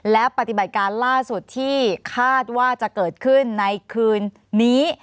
และปฏิบัติการล่าสุดที่คาดว่าจะเกิดขึ้นในคืนนี้